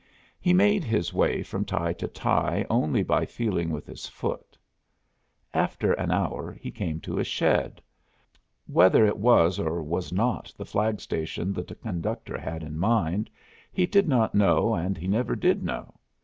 He made his way from tie to tie only by feeling with his foot. After an hour he came to a shed. Whether it was or was not the flag station the conductor had in mind, he did not know, and he never did know.